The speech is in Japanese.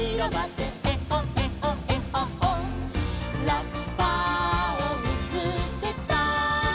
「ラッパをみつけたよ」